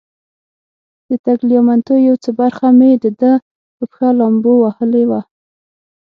د تګلیامنتو یو څه برخه مې د ده په پښه لامبو وهلې وه.